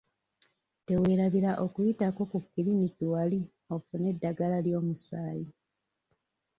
Teweerabira okuyitako ku kiriniki wali ofune eddagala ly'omusaayi.